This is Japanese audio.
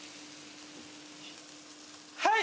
はい！